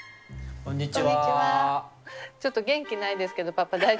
こんにちは。